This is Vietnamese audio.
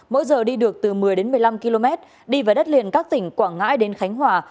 mỗi giờ đi được từ một mươi một mươi năm km đi vào đất liền các tỉnh quảng ngãi đến khánh hòa